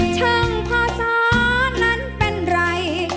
ช่างพศนั้นเป็นไร